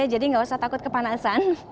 jadi nggak usah takut kepanasan